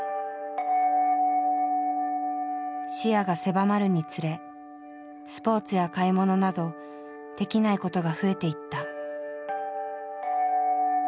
視野が狭まるにつれスポーツや買い物などできないことが増えていった。